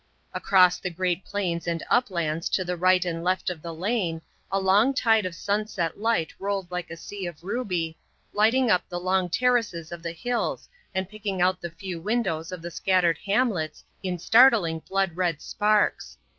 Across the great plains and uplands to the right and left of the lane, a long tide of sunset light rolled like a sea of ruby, lighting up the long terraces of the hills and picking out the few windows of the scattered hamlets in startling blood red sparks.